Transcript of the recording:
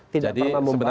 tidak pernah membangtas